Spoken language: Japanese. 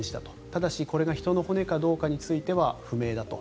ただしこれが人の骨かどうかについては不明だと。